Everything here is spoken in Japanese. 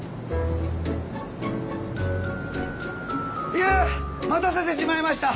いや待たせてしまいました。